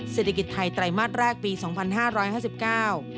เศรษฐกิจไทยไตรมาสแรกปีสองพันห้าร้อยห้าสิบเก้า